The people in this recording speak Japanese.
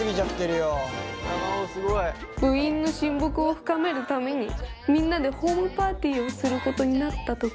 部員の親睦を深めるためにみんなでホームパーティーをすることになった時。